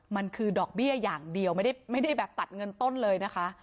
มันคือดอกเบี้ยอย่างเดียวไม่ได้แบบตัดเงินต้นเลยนะคะ